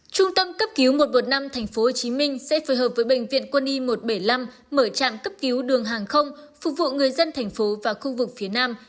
trung tâm cấp cứu một trăm một mươi năm tp hcm sẽ phối hợp với bệnh viện quân y một trăm bảy mươi năm mở trạm cấp cứu đường hàng không phục vụ người dân thành phố và khu vực phía nam